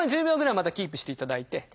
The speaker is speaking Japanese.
１０秒ぐらいまたキープしていただいて。